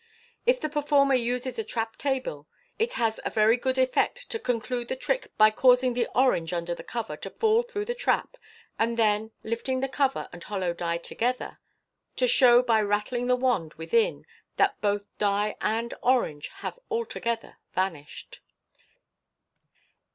If the performer uses a trap table, it has a very good effect to con clude the trick by causing the orange under the cover to fall through the trap, and then, lifting the cover and hollow die together, to show by rattling the wand within, that both die and orange have altogether vanished.